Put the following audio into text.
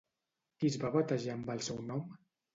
Qui es va batejar amb el seu nom?